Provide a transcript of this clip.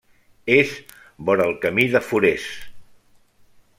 És vora el camí de Forès.